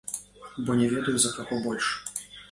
Бо не ведаю, за каго больш.